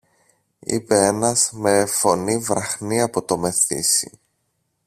είπε ένας με φωνή βραχνή από το μεθύσι.